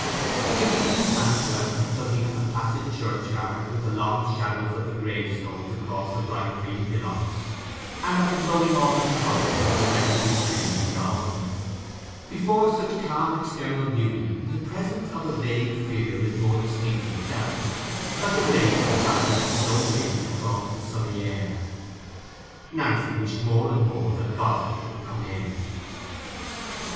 She continued to stand, however, looking at the placid churchyard with the long shadows of the gravestones across the bright green hillocks, and at the glowing autumn colours of the Rectory trees beyond. Before such calm external beauty the presence of a vague fear is more distinctly felt—like a raven flapping its slow wing across the sunny air. Nancy wished more and more that Godfrey would come in.